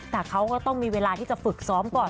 แต่เขาก็ต้องมีเวลาที่จะฝึกซ้อมก่อน